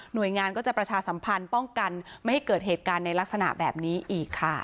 โดยงานก็จะประชาสัมพันธ์ป้องกันไม่ให้เกิดเหตุการณ์ในลักษณะแบบนี้อีกค่ะ